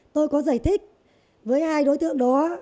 tôi có giải thích với hai đối tượng đó